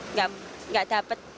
nggak ada nggak dapat